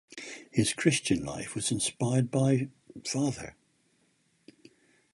His Christian life was inspired by Fr.